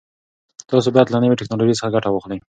تاسو باید له نوي ټکنالوژۍ څخه ګټه واخلئ.